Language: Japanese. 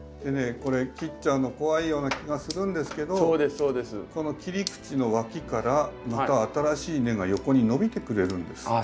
これ切っちゃうの怖いような気がするんですけどこの切り口のわきからまた新しい根が横に伸びてくれるんです。